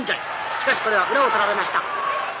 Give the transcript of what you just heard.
しかしこれは裏を取られました。